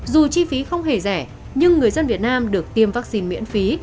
dù chi phí không hề rẻ nhưng người dân việt nam được tiêm vaccine miễn phí